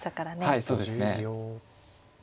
はいそうですね。